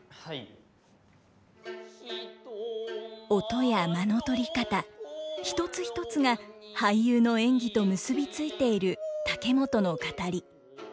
音や間の取り方一つ一つが俳優の演技と結び付いている竹本の語り。